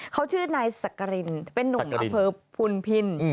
เขาชื่อนายสกรินเป็นนุ่มมาเพิงภูมิพิน